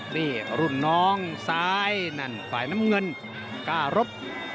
นี่รุ่นน้องซ้ายนั่นฝ่ายน้ำเงินกล้ารบ